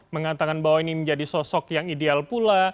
mengatakan bahwa ini menjadi sosok yang ideal pula